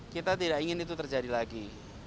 kita tidak ingin itu terjadi lagi